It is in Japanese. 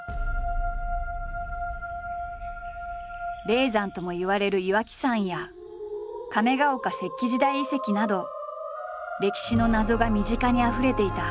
霊山ともいわれる岩木山や亀ヶ岡石器時代遺跡など歴史の謎が身近にあふれていた。